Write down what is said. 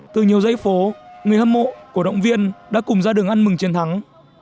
từ nhiều dãy phố người hâm mộ cổ động viên đã cùng ra đường ăn mừng chiến thắng